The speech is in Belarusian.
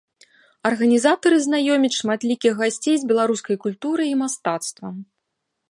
Арганізатары знаёмяць шматлікіх гасцей з беларускай культурай і мастацтвам.